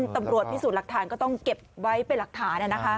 ตำรวจพิสูจน์หลักฐานก็ต้องเก็บไว้เป็นหลักฐาน